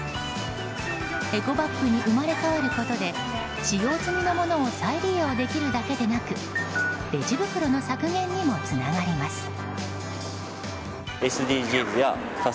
エコバッグに生まれ変わることで使用済みのものを再利用できるだけでなくレジ袋の削減にもつながります。